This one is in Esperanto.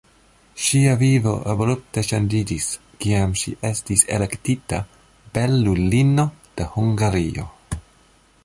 Ŝia vivo abrupte ŝanĝiĝis, kiam ŝi estis elektita "belulino de Hungario".